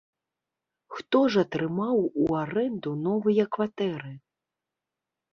Хто ж атрымаў у арэнду новыя кватэры?